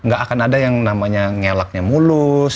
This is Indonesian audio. gak akan ada yang namanya ngelaknya mulus